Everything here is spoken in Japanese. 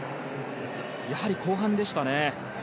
やはり後半でしたね。